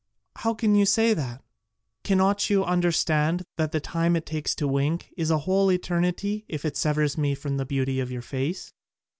"How can you say that? Cannot you understand that the time it takes to wink is a whole eternity if it severs me from the beauty of your face?"